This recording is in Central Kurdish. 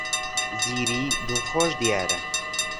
زیری دڵخۆش دیارە.